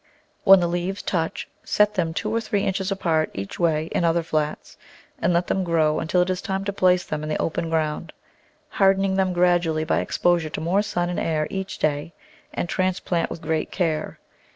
When the leaves touch set them two or three inches apart each way in other flats and let them grow until it is time to place them in the open ground, hardening them gradually by ex posure to more sun and air each day, and transplant with great care.